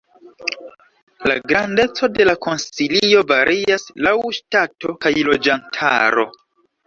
La grandeco de la konsilio varias laŭ ŝtato kaj loĝantaro.